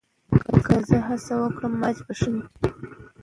که زه هڅه وکړم، مزاج به ښه شي.